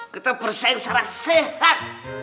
kita bersaing secara sehat